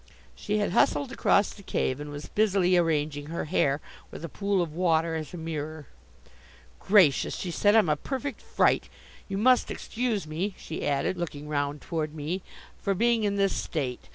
She had hustled across the cave and was busily arranging her hair with a pool of water as a mirror. "Gracious!" she said, "I'm a perfect fright! You must excuse me," she added, looking round toward me, "for being in this state.